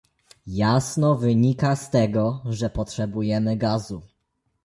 Jasno wynika z tego, że potrzebujemy gazu